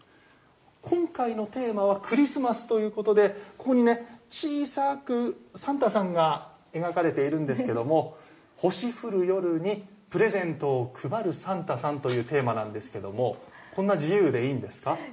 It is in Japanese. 今回のテーマはクリスマスということでここに小さくサンタさんが描かれているんですけれども星降る夜にプレゼントを配るサンタさんというテーマなんですけどもこんな自由でいいんですか？